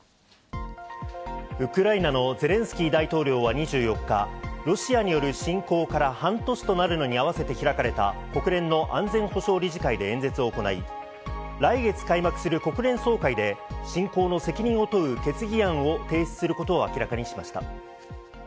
ウクライナのゼレンスキー大統領は２４日、ロシアによる侵攻から半年となるのに合わせて開かれた国連の安全保障理事会で演説を行い、来月開幕する国連総会で侵攻の責任を問う決議案を提出することを明らかにしました。